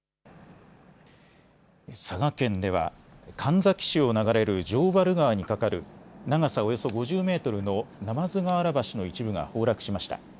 佐賀県では神埼市を流れる城原川に架かる長さおよそ５０メートルの鯰河原橋の一部が崩落しました。